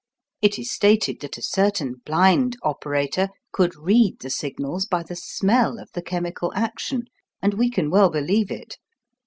It is stated that a certain blind operator could read the signals by the smell of the chemical action; and we can well believe it.